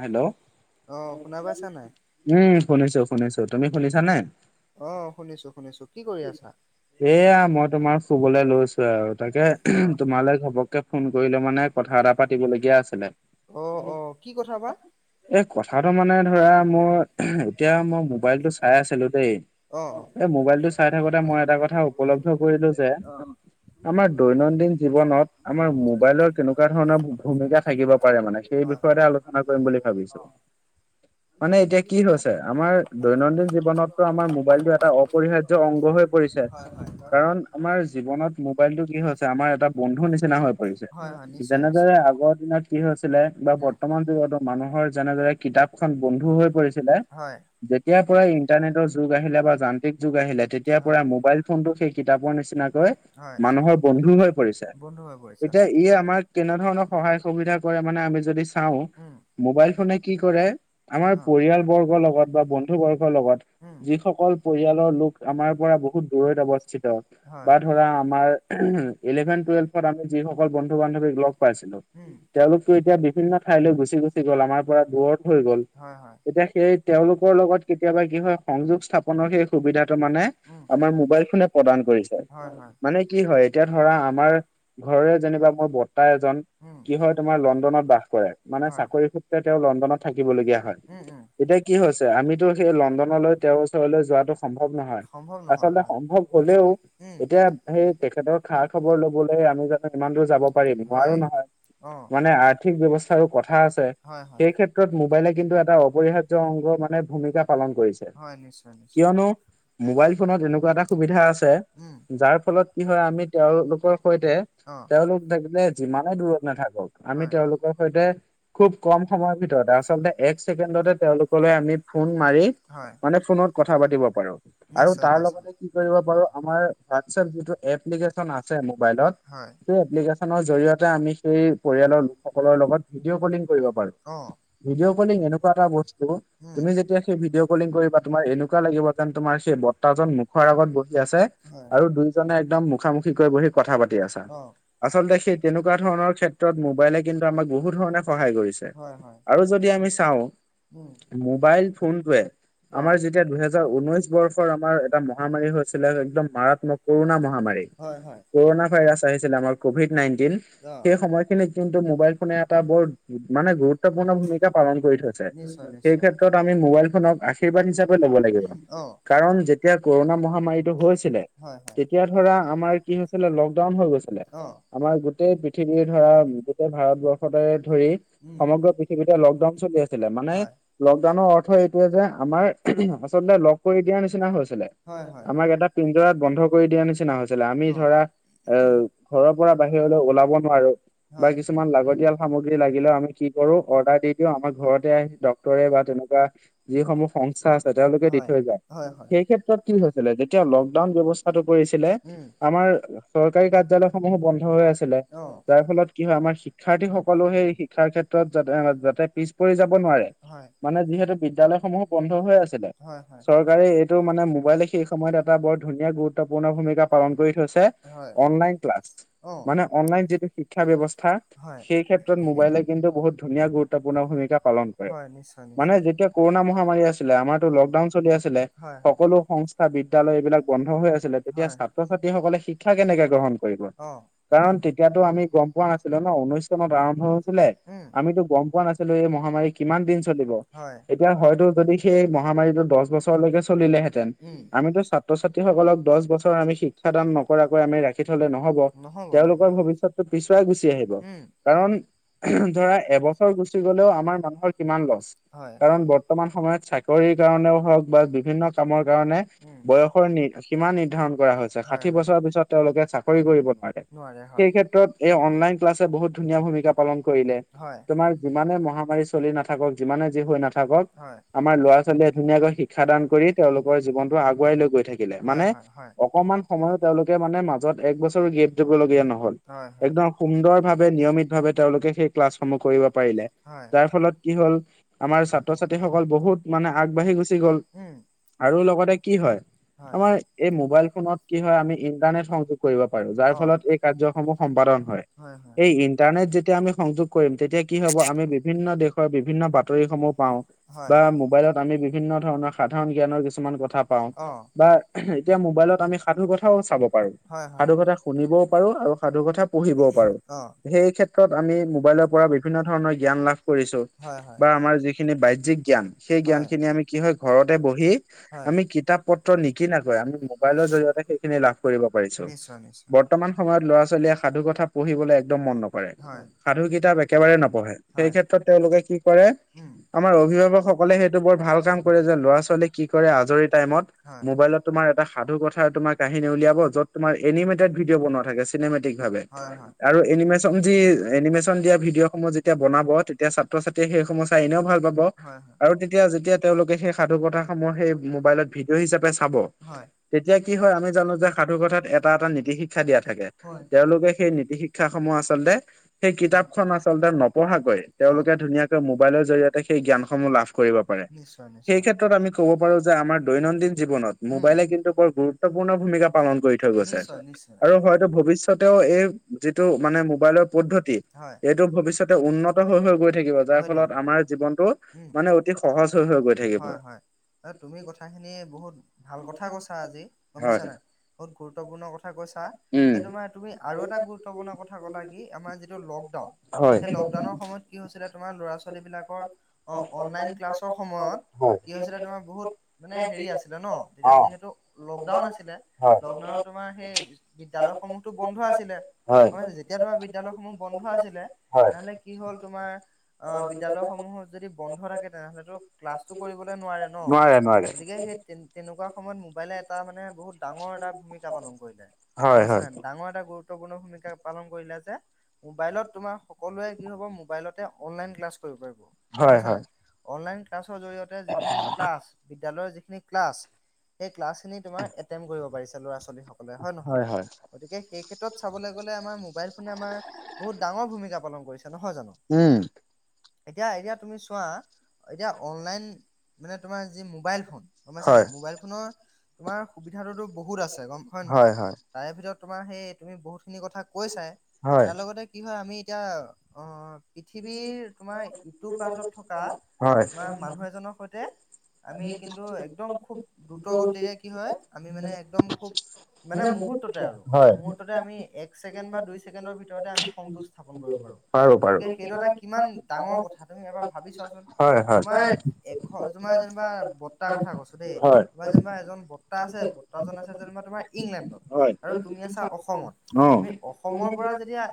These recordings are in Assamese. হেল্ল' অ' শুনা পাইছা নাই? উম শুনিছো শুনিছো তুমি শুনিছা নে? অ' শুনিছো শুনিছো কি কৰি আছা? এয়া মই তোমাৰ শুবলৈ লৈছো আৰু তাকে অ' তোমালৈ ঘপক ফোন কৰিলে মানে কথা এটা পাতিবলগীয়া আছিলে। অ' অ' কি কথা বা? এই কথাটো মানে ধৰা মই এতিয়া মই মোবাইলটো চাই আছিলো দেই। অ' অ' এই মোবাইলটো চাই থাকোতে মই এটা কথা উপলব্ধ কৰিলো যে। অ' আমাৰ দৈনন্দিন জীৱনত আমাৰ মোবাইলৰ কেনেকুৱা ধৰণৰ ভূমিকা থাকিব পাৰে মানে। সেই হয় বিষয়তে আলোচনা কৰিম বুলি ভাবিছো। মানে এতিয়া কি হৈছে আমাৰ দৈনন্দিন জীৱনতটো আমাৰ মোবাইলটো এটা অপৰিহাৰ অংগ হৈ পৰিছে। হয় হয় কাৰণ আমাৰ জীৱনত মোবাইল টো কি হৈছে আমাৰ এটা বন্ধু নিচিনা হৈ পৰিছে। হয় হয় নিশ্চয় যেনেদৰে নিশ্চয় আগৰ দিনত কি হৈছিলে বা উম বৰ্তমান যুগতো মানুহৰ যেনেদৰে কিতাপ এখন বন্ধু হৈ পৰিছিলে হয় যেতিয়াৰ পৰা ইন্টাৰনেটৰ যুগ আহিলে বা যান্ত্ৰিক যুগ আহিলে। এতিয়াৰ হয় পৰা মোবাইল ফোনটো সেই কিতাপৰ নিচিনাকৈ হয় মানুহৰ বন্ধু হৈ পৰিছে। বন্ধু হৈ পৰিছে এতিয়া ই আমাক কেনে ধৰণৰ সহায় সুবিধা কৰে মানে আমি যদি চাও উম মোবাইল ফোনে কি কৰে আমাৰ অ' পৰিয়াল বৰ্গৰ লগত বা বন্ধু বৰ্গৰ লগত উম যিসকল পৰিয়ালৰ লোক আমাৰ পৰা বহুত দূৰত অৱস্থিত হয় বা ধৰা আমাৰ ইলেভেন টেলভ আমি যিসকল বন্ধু বান্ধৱীক লগ পাইছিলো উম তেওঁলোকো এতিয়া বিভিন্ন ঠাইলৈ গুচি গু গুচি গল আমাৰ পৰা দূৰত হৈ গ'ল। হয় হয় তেতিয়া সেই তেওঁলোকৰ লগত কেতিয়াবা কি হয় সংযোগ স্থাপনৰ সেই সুবিধা মানে উম আমাৰ মোবাইল ফোনে প্ৰদান কৰিছে হয় হয় মানে কি হয় এতিয়া ধৰা আমাৰ ঘৰৰে যেনিবা মোৰ বতা এজন উম কি হয় তোমাৰ লণ্ডনত বাস কৰে মানে হয় চাকৰি সূত্ৰে তেওঁ লণ্ডনত থাকিবলগীয়া উম উম হয়। এতিয়া কি হৈছে আমিতো সেই লণ্ডনলৈ তেওঁৰ ওচৰলৈ যোৱাটো সম্ভৱ সম্ভৱ নহয় আচলতে সম্ভৱ হলেও উম এতিয়া সেই তেখেতৰ খা খবৰ লবলৈ আমি ইমান দূৰ যাব পাৰিম হয় নোৱাৰো নহয়। অ মানে আৰ্থিক ব্যৱস্থাৰো কথা আছে হয় হয়। সেই ক্ষেত্ৰত মোবাইলে কিন্তু এটা অপৰিহাৰ্য অংগ মানে ভূমিকা পালন কৰিছে হয় নিশ্চয় নিশ্চয়। কিয়নো মোবাইল ফোনত এনেকুৱা এটা সুবিধা আছে উম যাৰ ফলত কি হয় আমি তেওঁলোকৰ সৈতে অ' তেওঁলোক থাকিলে যিমানে দূৰত নাথাকক আমি হয় তেওঁলোকৰ সৈতে খুব কম সময়ৰ ভিতৰত আচলতে এক ছেকেণ্ডতে তেওঁলোকলৈ আমি ফোন মাৰি হয় মানে ফোনত কথা পাতিব পাৰো। আৰু তাৰ লগতে কি কৰিব পাৰো আমাৰ হোৱাটছএপ যিটো এপ্লিকেশ্যন আছে মোবাইলত হয় এই এপ্লিকেশ্বনৰ জৰিয়তে আমি সেই পৰিয়ালৰ লোকসকলৰ লগত ভিডিঅ' কলিং কৰিব পাৰো। অঁ ভিডিঅ' কলিং এনেকুৱা এটা বস্তু তুমি যেতিয়া সেই ভিডিঅ' কলিং কৰিবা তোমাৰ এনেকুৱা লাগিব তে তোমাৰ সেই বৰ্তাজন মুখৰ আগত বহি আছে হয় আৰু দুইজনে একদম মুখামুখি কৈ বহি কথা পাতি আছা। অ আচলতে সেই তেনেকুৱা ধৰণৰ ক্ষেত্ৰত মোবাইলে কিন্তু আমাক বহুত ধৰণে সহায় কৰিছে। হয় হয়। আৰু যদি আমি চাওঁ উম মোবাইল ফোনটোৱে অ আমাৰ যেতিয়া দুহেজাৰ ঊনৈশ ৰ আমাৰ এটা মহামাৰী হৈছিলে একদম মাৰাত্মক কৰোণা মহামাৰী। হয় হয় কৰনা ভাইৰাছ আহিছিলে আমাৰ কভিড নাইনটিন অ সেই সময়খিনিত কিন্তু মোবাইল ফোনে এটা বৰ মানে গুৰুত্বপূৰ্ণ ভূমিকা পালন কৰি থৈছে নিশ্চয় সেই নিশ্চয় ক্ষেত্ৰত আমি মোবাইল ফোনক আশীৰ্বাদ হিচাপে ল'ব লাগিব অ কাৰণ যেতিয়া কৰোণা মহামাৰীটো হৈছিলে হয় হয় তেতিয়া পৰা কি হৈছিলে লকডাউন হৈ গৈছিলে অ অ আমাৰ গোটেই পৃথিৱীৰ ধৰা গোটেই ভাৰতবৰ্ষতে ধৰি উম সমগ্ৰ পৃথিৱীতে লকডাউন চলি আছিলে মানে হয় লকডাউনৰ অৰ্থ এইটোৱে যে আমাৰ আচলতে কৰি দিয়া নিচিনা হৈছিলে হয় হয় আমাক এটা পিঞ্জদৰাত বন্ধ কৰি দিয়া নিচিনা হৈছিলে আমি অ ধৰা এ ঘৰৰ পৰা বাহিৰলৈ ওলাব নোৱাৰো বা হয় কিছুমান লাগতিয়াল সামগ্ৰী লাগিলেও আমি কি কৰো অৰ্ডাৰ দি দিওঁ আমাৰ ঘৰতে আহি ডক্তৰে বা তেনেকুৱা যিসমূহ সংস্থা আছে তেওঁলোকে দি হয় থৈ যায় হয় হয় সেই ক্ষেত্ৰত কি হৈছিলে যেতিয়া লকডাউন ব্যৱস্থাটো কৰিছিলে উম আমাৰ চৰকাৰী কাৰ্যালয় সমূহো বন্ধ হৈ আছিলে অ যাৰ ফলত কি হয় আমাৰ শিক্ষাৰ্থী সকলো সেই শিক্ষাৰ ক্ষেত্ৰত যাতে যাতে পিছ পৰি যাব নোৱাৰে হয় মানে যিহেতু বিদ্যয়ালয় সমূহো বন্ধ হৈ আছিলে হয় হয় চৰকাৰে এইটো মানে মোবাইলে সেই সময়ত এটা বৰ ধুনীয়া গুৰুত্বপূৰ্ণ ভূমিকা পালন কৰি থৈছে হয় অনলাইন ক্লাছ অ মানে অনলাইন যিটো শিক্ষা ব্যৱস্থা হয় সেই ক্ষেত্ৰত মোবাইলে কিন্তু বহুত ধুনীয়া ধুনীয়া গুৰুত্বপূৰ্ণ ভূমিকা পালন কৰে হয় নিশ্চয় মানে নিশ্চয় যেতিয়া কৰোণা মহামাৰি আছিলে আমাৰতো উম লকডাউন চলি চলি আছিলে হয় হয় সকলো সংস্থা বিদ্যালয় এইবিলাক বন্ধ হৈ আছিলে তেতিয়া হয় ছাত্ৰ ছাত্ৰী সকলে শিক্ষা কেনেকে গ্ৰহণ কৰিব অ কাৰণ তেতিয়াতো আমি গম পোৱা নাছিলো ন ঊনৈশ চনত আৰম্ভ হৈছিলে উম আমি গম পোৱা নাছিলো এই মহামাৰী কিমান দিন চলিব হয় তেতিয়া হয়তো যদি সেই মহামাৰিটো দচ বছৰলৈকে চলিলেহেঁতেন উম আমিতো ছাত্ৰ ছাত্ৰী সকলক দহ বছৰ আমি শিক্ষা দান নকৰাকৈ আমি ৰাখি থলে নহব নহব তেওঁলোকৰ নহব সিহঁতৰ ভৱিষ্যতটো ভবিষ্যতো পিছুৱাই গুচি আহিব গৈছে হম কাৰণ এম ধৰা এবছৰ গুচি গলেও আমাৰ মানুহৰ কিমান হয়, লষ্ট কাৰণ বৰ্তমান সময়ত চাকৰিৰ কাৰণেও হওক বা বিভিন্ন কামৰ কাৰণে উম, বয়সৰ নি সীমা নিৰ্ধাৰণ কৰা হৈছে হয়, ষাঠি হয়, বছৰৰ পিছত তেওঁলোকে চাকৰি কৰিব নোৱাৰে নোৱাৰে হয় সেই ক্ষেত্ৰত এই অনলাইন ক্লাছে বহুত ধুনীয়া ভূমিকা পালন কৰিলে হয়, তোমাৰ যিমানে মহামাৰী চলি নাথাকক যিমানে যি হৈ নাথাকক হয়। আমাৰ লৰা ছোৱালীয়ে ধুণীয়াকৈ শিক শিক্ষাদান কৰি তেওঁলোকৰ জীৱনটো আগুৱাই লৈ গৈ থাকিলে হয়, মানে হয়, হয়, অকমান সময়ত তেওঁলোকে মানে মাজত এক বছৰো গেপ দিবলগীয়া নহল হয়, একদম সুন্দৰ ভাৱে নিয়মিত ভাৱে তেওঁলোকে সেই ক্লাছসমূহ কৰিব পাৰিলে হয়, হয়, যাৰ ফলত কি হ'ল আমাৰ ছাত্ৰ ছাত্ৰীসকল বহুত মানে আগবাঢ়ি গুচি গ'ল উম আৰু লগতে কি হয় হয়, আমাৰ এই মোবাইল ফোনত কি হয় আমি ইন্টাৰনেট সংযোগ কৰিব পাৰো যাৰ অ', ফলত এই কাৰ্য্য সমূহ সম্পাদন হয় এই ইণ্টাৰনেট যেতিয়া আমি সংযোগ কৰিম তেতিয়া কি হ'ব আমি বিভিন্ন দেশৰ বিভিন্ন বাতৰি সমূহ পাওঁ হয়, বা মোবাইলত আমি বিভিন্ন ধৰণৰ সাধাৰণ জ্ঞানৰ কিছুমান কথা পাওঁ অ', বা এতিয়া মোবাইলত আমি সাধুু কথাও চাব পাৰো হয়, হয়, সাধু কথা শুনিবও পাৰো আৰু সাধু কথা পঢ়িবও পাৰো অ', সেই ক্ষেত্ৰত ক্ষেত্ৰত আমি মোবাইলৰ পৰা বিভিন্ন ধৰণৰ জ্ঞান লাভ কৰিছো হয়, বা হয়, আমাৰ যিখিনি বাইজিক জ্ঞান সেই হয়, জ্ঞানখিনি আমি কি হয় ঘৰতে বহি হয়, আমি কিতাপ পত্ৰ নিকিনাকৈ আমি মোবাইলৰ জৰিয়তে সেইখিনি লাভ কৰিব পাৰিছো। নিশ্চয়, নিশ্চয়, বৰ্তমান সময়ত ল'ৰা ছোৱালীয়ে সাধু কথা পঢ়িবলৈ একদম মন নকৰে। সাধু কিতাপ একেবাৰে হয় নপঢ়ে সেই ক্ষেত্ৰত তেওঁলোকে হয় কি কৰে আমাৰ হয়। অভিভাৱকসকলে সেইটো বৰ ভাল কাম কৰি ছে ল'ৰা ছোৱালী কি কৰে আজৰি টাইমত হয়, মোবাইলত তোমাৰ এটা সাধু কথা তোমাৰ কাহিনী উলিয়াব য'ত তোমাৰ এনিমেটেড ভিডিঅ' বনোৱা থাকে চিনেমেটিক ভাৱে হয়, হয়, আৰু এনিমেচন যি এনিমেচন দিয়া ভিডিঅ' সমূহ যেতিয়া বনাব তেতিয়া ছাত্ৰ ছাত্ৰীয়ে সেই সমূহৰ চাই এনেও ভাল পাব। হয়, আৰু তেতিয়া যেতিয়া তেওঁলোকে সেই সাধু কথাসমূহ সেই মোবাইলত ভিডিঅ' হিচাপে চাব। হয়, তেতিয়া কি হয় আমি জানো যে সাধু কথাত এটা এটা নীতি শিক্ষা দিয়া থাকে হয়, হয়, তেওঁলোকে সেই নীতি শি ক্ষা সমূহ আচলতে। সেই কিতাপখন আচলতে নপঢ়াকৈ অ'। তেওঁলোকে ধুনীয়াকৈ মোবাইলৰ জৰিয়তে সেই জ্ঞান সমূহ লাভ কৰিব। পাৰে। নিশ্চয় সেই নিশ্চয়, ক্ষেত্ৰত আমি ক'ব পাৰো যে আমাৰ দৈনন্দিন জীৱনত উম, মোবাইলে কিন্তু বৰ গুৰুত্বপূৰ্ণ ভূমিকা নিশ্চয়। নিশ্চয় নিশ্চয়। এইটো ভৱিষ্যতেও এই যিটো মানে মোবাইলৰ পদ্ধতি হয়, এইটো ভৱিষ্যতে উন্নত হৈ হৈ গৈ থাকিব যাৰ হৈ ফলত থাকিব, আমাৰ জীৱনটো উম। মানে অতি সহজ হৈ হৈ গৈ থাকিব। অ তুমি কথাখিনি বহুত ভাল কথা কৈছা আজি গম পাইছা হয় নাই বহুত গুৰুত্বপূৰ্ণ কথা কৈছা, উম তোমাৰ তুমি আৰু এটা গুৰুত্বপূৰ্ণ কথা ক'লা কি আমাৰ যিটো লকডাউন হয়। সেই লকডাউনৰ সময়ত কি হৈছিলে তোমাৰ ল'ৰা ছোৱালী বিলাকৰ অ' অনলাইন ক্লাছৰ সময়ত। হয় কি হৈছিলে তোমাৰ বহুত মানে হেৰি আছিলে ন তেতিয়া অ যিহেতু লকডাউন আছিলে হয় লকডাউনত তোমাৰ সেই বিদ্যালয় সমূহতো বন্ধ আছিলে। হয়। তেতিয়া ধৰ বিদ্যালয়সমূহ বন্ধ আছিলে হয় তেনেহ'লে কি হল তোমাৰ অ' বিদ্যালয় সমূহ যদি বন্ধ থাকে তেনেহলেতো ক্লাছটো কৰিবলে নোৱাৰে ন গতিকে সেই তেনেকুৱা সময়ত মোবাইলে এটা মানে বহুত ডাঙৰ এটা ভূমিকা পালন কৰিলে। গম হয় পাইছ হয় নাই? ডাঙৰ এটা গু ৰুত্বপূৰ্ণ ভূমিকা পালন কৰিলে যে মোবাইলত তোমাৰ সকলোৱে কি হ'ব মোবাইলতে অনলাইন ক্লাছ কৰিব পাৰিব। গম হয় পাইছা হয় নাই? অনলাইন ক্লাছৰ জৰিয় তে যিখিনি ক্লাছ বিদ্যালয়ৰ যিখিনি ক্লাছ। সেই ক্লাছখিনি তোমাৰ এটেণ্ড কৰিব পাৰিছে ল'ৰা ছোৱালীসকলে হয় নহয়, গতিকে সেই ক্ষেত্ৰত চাবলৈ গ'লে আমাৰ মোবাইল ফোনে আমাৰ বহুত ডাঙৰ ভূমিকা পালন কৰিছে নহয় জানো? উম এতিয়া এতিয়া তুমি চোৱা এতিয়া অনলাইন মানে তোমাৰ যি মোবাইল ফোন গম পাইছা হয় নাই মোবাইল ফোনৰ তোমাৰ সুবিধাতটোতো বহুত আছে গম হয় নহয় তাৰে ভিতৰত তোমাৰ সেই তুমি বহুতখিনি কথা কৈ চাই হয় তাৰ লগতে কি হয় আমি এতিয়া অ পৃথিৱীৰ তোমাৰ ইটো প্ৰান্তত থকা হয় তোমাৰ মানুহ এজনৰ সৈতে আমি কিন্তু একদম খুব দ্ৰুতগতিৰে কি হয় আমি মানে একদম খুব মানে মুহুৰ্ততে আৰু হয় মুহুৰ্ততে আমি এক ছেকেণ্ড বা দুই ছেকেণ্ডৰ ভিতৰতে আমি সংযুগ স্থাপন কৰিব পাৰো গতিকে এইটো এটা কিমান ডাঙৰ কথা তুমি এবাৰ ভাবি চোৱাচোন। হয় হয়। তোমাৰ এ তোমাৰ যেনিবা বৰ্তাৰ কথা কৈছো দেই। হয়। তোমাৰ যেনিবা এজন বৰ্তা আছে ব্তাজন আছে যেনিবা তোমাৰ ইংলেণ্ডত, হয় আৰু তুমি আছা অসমত। অ তুমি অসমৰ পৰা যেতিয়া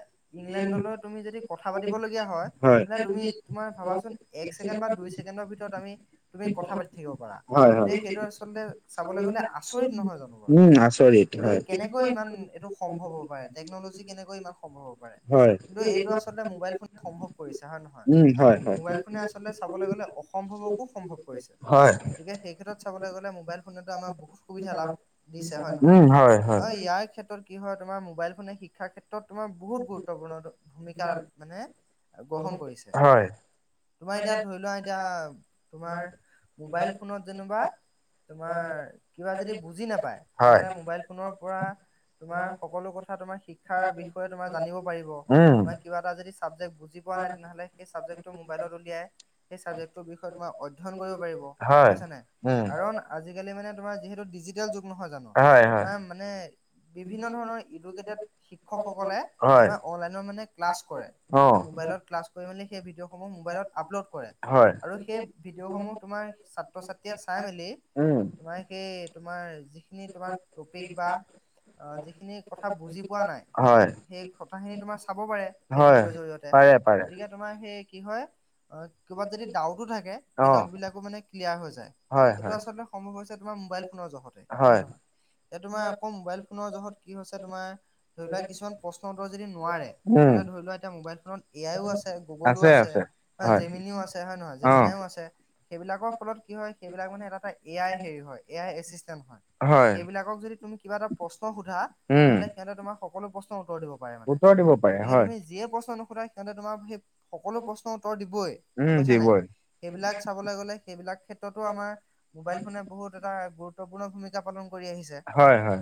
ইংলেণ্ডলৈ তুমি যদি কথা পাতিবলগীয়া হয় মানে তুমি তোমাৰ ভাবাচোন, এক ছেকেণ্ড বা দুই ছেকেণ্ডৰ ভিতৰত আমি তুমি কথা পাতি থাকিব পাৰা। হয় হয় হয়। এতিয়া সেইটো আচলতে চাবলৈ গলে আচৰিত নহয় জানো, বাৰু উম আচৰিত এইটো হয়। কেনেকৈ ইমান এইটো সম্ভৱ হ'ব পাৰে। টেকন'লজি কেনেকৈ ইমান সম্ৱ হ'ব পাৰে। হয় কিন্ত এইটো আচলতে মোবাইল ফোন সম্ভৱ কৰিছে হয় নহয়? উম হয় হয়। মোবাইল ফোনে আচলতে চাবলৈ গ'লে অসম্ভৱকো সম্ভৱ কৰিছে। হয়। গতিকে সেই ক্ষেত্ৰত চাবলৈ গ'লে মোবাইল ফোনত আমাৰ বহুত সুবিধা লাভ দিছে হয় উম নহয়? হয় আৰু ইয়াৰ ক্ষেত্ৰত কি হয় তোমাৰ মোবাইল ফোনে শিক্ষাৰ ক্ষেত্ৰত তোমাৰ বহুত গুৰুত্বপূৰ্ণ ভূমিকা মানে গ্ৰহণ কৰিছে। হয়। হয়। তোমাৰ এতিয়া ধৰি লোৱা এতিয়া তোমাৰ মোবাইল ফোনত যেনিবা তোমাৰ কিবা যদি বুজি নাপায়, হয়। তেনেহ'লে মোবাইল ফোনৰ পৰা তোমাৰ সকলো কথা তোমাৰ শিক্ষাৰ বিষয়ে তোমাৰ জানিব পাৰিব, উম। তোমাৰ কিবা এটা যদি চাবজেক বুজি পোৱা নাই তেনেহ'লে, সেই চাবজেক্টো মোবাইলত উলিয়াই সেই চাবজেক্টটোৰ বিষয়ে তোমাৰ অধ্যয়ন কৰিব পাৰিব, গম হয়, পাইছনে নাই উম, কাৰণ আজি কালি মানে তোমাৰ যিহেতু ডিজিতেল যোগ নহয় জানো? হয়, হয়। তোমাৰ মানে বিভিন্ন ধৰণৰ এইটোত শিক্ষকসকলে হয়, অনলায়নত মানে ক্লাছ কৰে। মানে অ'। মোবাইলত ক্লাস কৰি মেলি সেই ভিডিঅ'সমূহ মোবাইলত আপলোড কৰে। হয়, আৰু সেই ভিডিঅ'সমূহ তোমাৰ ছাত্ৰ ছাত্ৰীয়ে চাই মেলি উম, তোমাৰ সেই তোমাৰ যিখিনি তোমাৰ টপিক বা অ' যিখিনি কথা বুজি পোৱা নাই, সেই, হয়, সেই কথাখিনি তোমাৰ চাব পাৰে সেই হয়, ভিডিঅ'ৰ জৰিয়তে পাৰে, পাৰে, গতিকে তোমাৰ সেই কি হয়, অ' কৰবাত যদি ডাউতো থাকে সেই অ', ডাউট বিলাকো মানে ক্লিয়াৰ হৈ যায়। হয়, এইটো হয়। আচলতে সম্ভৱ হৈছে তোমাৰ মোবাইল ফোনৰ জহতে হয়, নহয়? এ তোমাৰ অকল মবাইল ফোনৰ জহত কি হৈছে তোমাৰ ধৰি লোৱা কিছুমান প্ৰশ্ন উত্তৰ যদি নোৱাৰে উম, তেনেহ'লে ধৰি লোৱা এতিয়া মোবাইল ফোনত এ আই ও আছে, গুগলো আছে, হয় জেমিনও আছে হয় নহয় অ'। জেমিনাই ও আছে। সেইবিলাকৰ ফলত কি হয়, সেইবিলাক মানে এটা-এটা এ আই হেৰি হয়, এ আই এচিষ্টেণ্ট হয়। সেইবিলাকক যদি তুমি কিবা এটা প্ৰশ্ন সোধা উম তেনেহ'লে সিহঁতে তোমাক সকলো প্ৰশ্নৰ উত্তৰ দিব পাৰে মানে, উত্তৰ দিব পাৰে গতিকে হয় তুমি যিয়ে প্ৰশ্ন নুশোধা সিহঁতে তোমাৰ সেই সকলো প্ৰশ্নৰ উত্তৰ দিবই গম উম পাইছা নাই? দিবই সেইবিলাক চাবলৈ গ'লে সেইবিলাক ক্ষেত্ৰতো আমাৰ মোবাইল ফোনে বহুত এটা গুৰুত্ব গুৰুত্বপূৰ্ণ ভূমিকা পালন কৰি আহিছে হয় হয়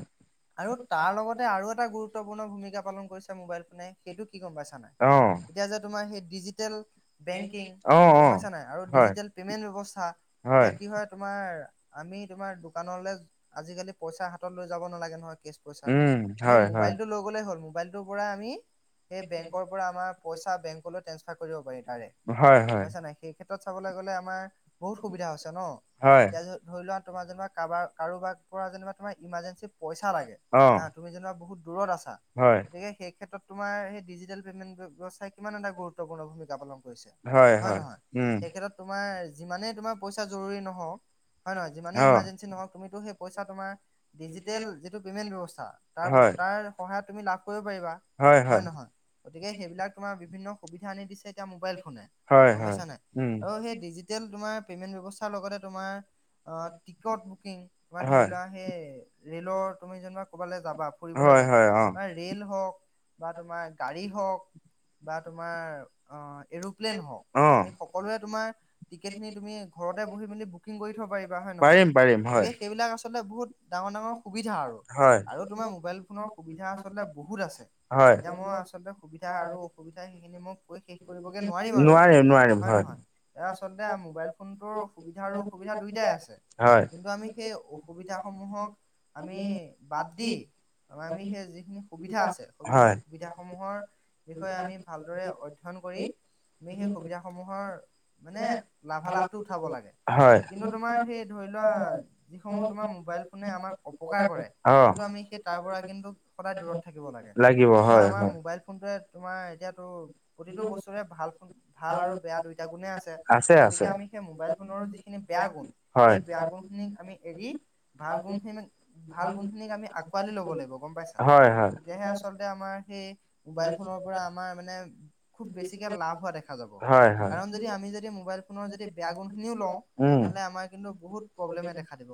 আৰু তাৰ লগতে আৰু এটা গুৰুত্বপূৰ্ণ ভূমিকা পালন কৰিছে মোবাইল ফোনে, সেইটো কি গম পাইছানে নাই? অ'। এতিয়া যে তোমাৰ সেই ডিজিটেল বেংকিং অ গম অ পাইছানে নাই আৰু হয় ডিজিটেল পেমেণ্ট ব্যৱস্থা, এতিয়া কি হয় তোমাৰ আমি তোমাৰ দোকানলৈ আজিকালি পইচা হাতত লৈ যাব নালাগে নহয় কেচ পইচা, উম আমি হয় মোবাইল হয় টো লৈ গ'লে হ'ল। মোবাইলটোৰ পৰাই আমি সেই বেংকৰ পৰা আমাৰ পইচা বেংকলৈ ট্ৰেন্ঞ্চফাৰ কৰিব পাৰি তাৰে হয় গম হয় পাইছা নাই, সেই ক্ষেত্ৰত চাবলৈ গ'লে আমাৰ বহুত সুবিধা হৈছে ন', হয় এতিয়া যদি ধৰি লোৱা তোমাৰ যেনিবা কাৰোবাৰ-কাৰোবাৰ পৰা যেনিবা তোমাৰ ইমাৰজেঞ্চি পইচা লাগে হা অ'। তুমি যেনিবা বহুত দূৰত আছা হয়। গতিকে সেই ক্ষেত্ৰত তোমাৰ সেই ডিজিটেল পেমেণ্ট ব্যৱসায় কিমান এটা গুৰুত্বপূৰ্ণ ভূমিকা পালন হৈছে হয় নহয়? এই ক্ষেত্ৰত তোমাৰ যিমানেই তোমাৰ পইচা জৰুৰী নহওক হয় নহয়, যিমানেই অ ইমাৰ্জেঞ্চি নহওক তুমিতো সেই পইচা তোমাৰ ডিজিটেল যিটো পে'মেণ্ট ব্যৱস্থা তাৰ ব হয় তাৰ সহায়ত তুমি লাভ কৰিব পাৰিবা। হয় নহয় গতিকে সেইবিলাক তোমাৰ বিভিন্ন সুবিধা আনি দিছে এতিয়া মোবাইল ফোনে। হয় গম হয় পাইছা নাই উম আৰু সেই ডিজিটেল তোমাৰ পেমেণ্ট ব্যৱস্থাৰ লগতে তোমাৰ অ টিকট বুকিং, তোমাৰ ধৰি হয় লোৱা সেই ৰেলৰ তুমি যেনিবা বালে যাবা ফুৰিবলৈ হয় যাবা হয় অ বা ৰেল হওক বা তোমাৰ গাড়ী হওক বা তোমাৰ অহ এৰোপ্লেন হওক, অ আমি সকলোৱে তোমাৰ টিকেটখিনি তুমি ঘৰতে বহি মেলি বুকিং কৰি থব পাৰিবা হয় নহয়? পাৰিম পাৰিম হয় গতিকে সেইবিলাক আচলতে বহুত ডাঙৰ ডাঙৰ সুবিধা আৰু। হয় আৰু তোমাৰ মোবাইল ফোনৰ সুবিধা আচলতে বহুত আছে হয় এতিয়া মই আচলতে সুবিধা আৰু অসুবিধা সেইখিনি মই কৈ শেষ কৰিবগে নোৱাৰিম আৰু হয় নহয়? এ আচলতে মোবাইল ফোনটোৰ সুবিধা আৰু অসুবিধা দুয়োটাই আছে। হয় কিন্তু আমি সেই অসুবিধাসমূহক আমি বাদ দি তাৰমানে আমি সেই যিখিনি সুবিধা আছে, সুবিধা হয় সুবিধাসমূহৰ বিষয়ে আমি ভালদৰে অ ধ্যয়ন কৰি আমি সেই সুবিধাসমূহৰ মানে লাভালাভটো উঠাব লাগে। হয় কিন্তু তোমাৰ সেই ধৰি লোৱা, যিসমূহ তোমাৰ মোবাইল ফোনে আমাক অপকাৰ কৰে অ কিন্তু আমি সেই তাৰ পৰা কিন্তু সদায় দূৰত থাকিব লাগে, লাগিব চ' হয় আমাৰ মোবাইল ফোনটোৱে হয় তোমাৰ এতিয়াতো প্ৰতিটো বস্তুৰে ভাল ফল ভাল আৰু বেয়া দুইটা গুণে আছে। গতিকে আমি সেই মোবাইল ফোনৰ যিখিনি বেয়া গুণ সেই হয়। বেয়া গুণখিনিক আমি এৰি ভাল গুণখিনি ভাল গুণ খিনি আমি আকোৱালি ল'ব লাগিব গম পাইছা? হয় হয় তেতিয়াহে আচলতে আমাৰ সেই মোবাইল ফোনৰ পৰা আমাৰ মানে খুব বেছিকে লাভ হোৱা দেখা যাব হয় হয়। কাৰণ যদি আমি যদি মোবাইল ফোনৰ যদি বেয়া গুণখিনিও লওঁ উম। তেনেহলে আমাৰ কিন্তু বহুত প্ৰব্লেমে দেখা দিব।